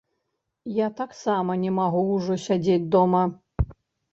Я таксама не магу ўжо сядзець дома.